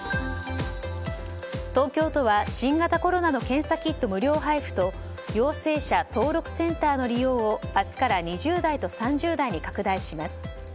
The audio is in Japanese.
東京都は新型コロナの検査キット無料配布と陽性者登録センターの利用を２０代と３０代に拡大します。